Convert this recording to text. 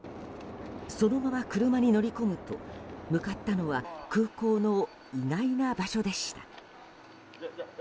そのまま車に乗り込むと向かったのは空港の意外な場所でした。